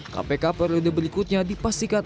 kpk periode berikutnya dipastikan